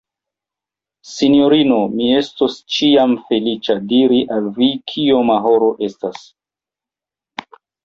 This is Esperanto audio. Sinjorino, mi estos ĉiam feliĉa, diri al vi, kioma horo estas.